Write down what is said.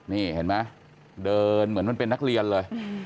นี่เห็นไหมเดินเหมือนมันเป็นนักเรียนเลย